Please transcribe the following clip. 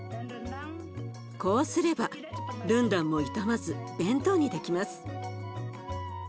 こうすればルンダンも傷まず弁当にできます。